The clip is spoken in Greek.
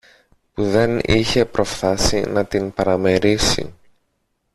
που δεν είχε προφθάσει να την παραμερίσει.